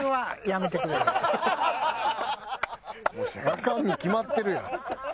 アカンに決まってるやん。